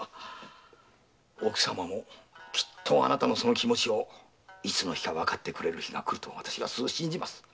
奥様もきっとあなたの気持ちをいつの日かわかってくれると私は信じます。